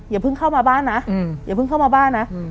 อย่าเพิ่งเข้ามาบ้านนะอย่าเพิ่งเข้ามาบ้านนะ